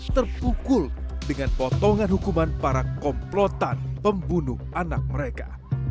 terpukul dengan potongan hukuman para komplotan pembunuh anak mereka